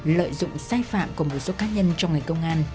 lợi dụng sai phạm của một số cá nhân trong ngành công an